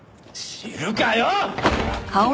知るかよ！